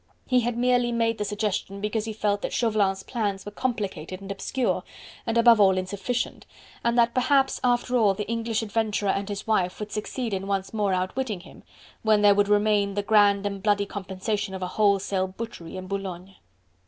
He had merely made the suggestion, because he felt that Chauvelin's plans were complicated and obscure, and above all insufficient, and that perhaps after all the English adventurer and his wife would succeed in once more outwitting him, when there would remain the grand and bloody compensation of a wholesale butchery in Boulogne.